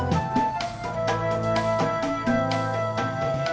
jangan lupa subscribe channel ini ya